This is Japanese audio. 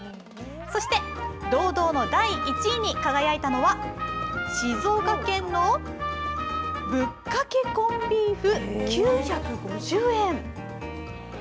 そして、堂々の第１位に輝いたのは、静岡県のぶっかけコンビーフ９５０円。